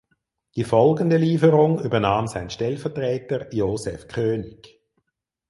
Die folgende Lieferung übernahm sein Stellvertreter Joseph König.